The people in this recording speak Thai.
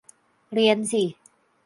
เรียนสิ